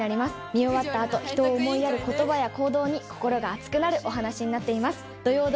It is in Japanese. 見終わった後人を思いやる言葉や行動に心が熱くなるお話になっています。